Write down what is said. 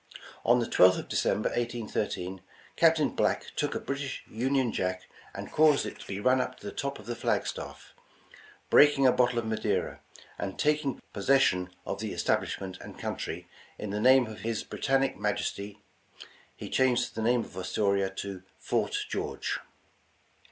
On the 12th of December, 1813, Captain Black "took a British Union Jack and caused it to be run up to the top of the flag staff; breaking a bottle of Maderia, and taking possession of the establishment and country in the name of his Britannic Majesty, He changed the name of Astoria to Fort George."